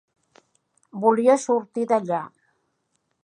Volia sortir d'allà.